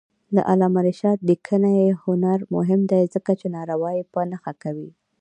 د علامه رشاد لیکنی هنر مهم دی ځکه چې ناروايي په نښه کوي.